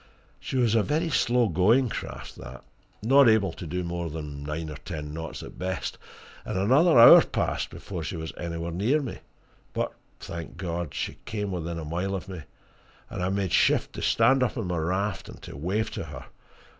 She was a very slow going craft that not able to do more than nine or ten knots at best and another hour passed before she was anywhere near me. But, thank God! she came within a mile of me, and I made shift to stand up on my raft and to wave to her.